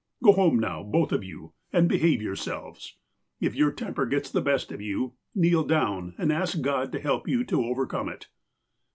Go home now, both of you, and behave yourselves. If your temper gets the best of you again, kneel down and ask God to help you to overcome it."